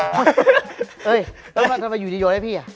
น้องมาทำยูดโยดให้พี่อะ